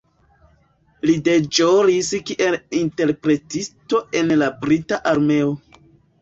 Li deĵoris kiel interpretisto en la brita armeo.